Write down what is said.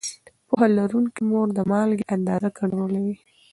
پوهه لرونکې مور د مالګې اندازه کنټرولوي.